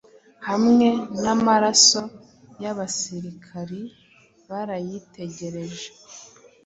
Hamwe namaraso yabasirikari barayitegereje